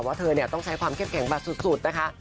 ว่าเธอเนี่ยต้องใช้ความเข้มแข็งบัตรสุดนะคะ